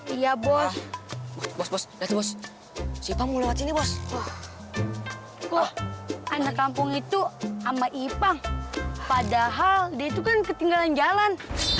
iya bos bos bos bos bos bos anak kampung itu amai pang padahal dia itu kan ketinggalan jalan